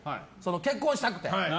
結婚したくて。